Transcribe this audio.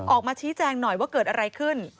ออกมาชี้แจงหน่อยว่าเกิดอะไรขึ้น